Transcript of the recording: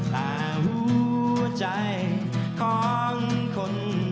แต่หัวใจของคน